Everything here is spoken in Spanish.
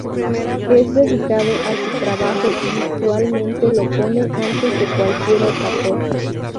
Es dedicado a su trabajo y usualmente lo pone antes de cualquier otra cosa.